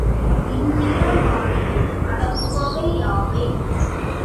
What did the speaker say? இந்நிறமாலையில் அடங்குபவை யாவை?